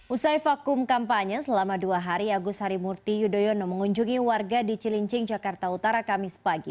usai vakum kampanye selama dua hari agus harimurti yudhoyono mengunjungi warga di cilincing jakarta utara kamis pagi